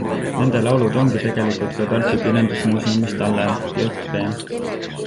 Nende laulud ongi tegelikult ka Tartu kirjandusmuuseumis tallel - J. P.